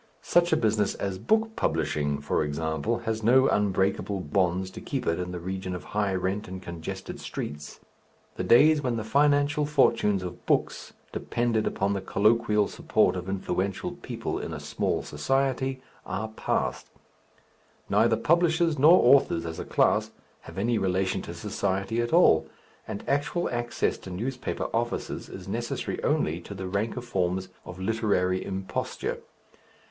Such a business as book publishing, for example, has no unbreakable bonds to keep it in the region of high rent and congested streets. The days when the financial fortunes of books depended upon the colloquial support of influential people in a small Society are past; neither publishers nor authors as a class have any relation to Society at all, and actual access to newspaper offices is necessary only to the ranker forms of literary imposture.